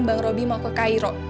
bang roby mau ke cairo